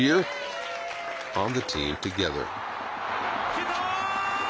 シュート！